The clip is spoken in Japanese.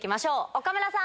岡村さん。